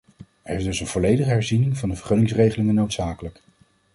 Er is dus een volledige herziening van de vergunningsregelingen? noodzakelijk.